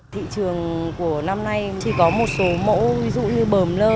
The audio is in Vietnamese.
thị trường của năm nay chỉ có một số mẫu ví dụ như bờm nơ